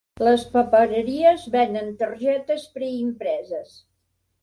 Les papereries venen targetes preimpreses.